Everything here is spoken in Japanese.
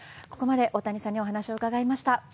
ここまで大谷さんに伺いました